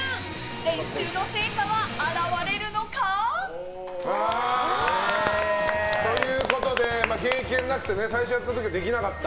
練習の成果は表れるのか？ということで、経験なくて最初やった時できなかった。